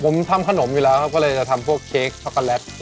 ผมทำขนมอยู่แล้วครับก็เลยจะทำพวกเค้กช็อกโกแลต